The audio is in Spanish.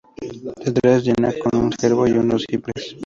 Detrás Diana con un ciervo y unos cipreses.